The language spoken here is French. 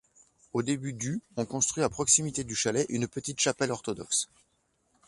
Au début du on construit à proximité du chalet, une petite chapelle orthodoxe.